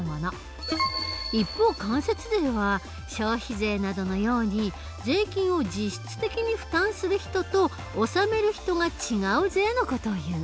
一方間接税は消費税などのように税金を実質的に負担する人と納める人が違う税の事をいう。